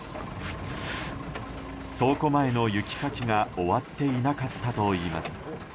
倉庫前の雪かきが終わっていなかったといいます。